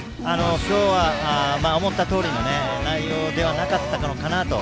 今日は思ったとおりの内容ではなかったかなと。